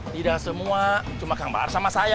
tidak semua cuma kang bahar sama saya